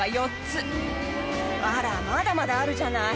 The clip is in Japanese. あらまだまだあるじゃない。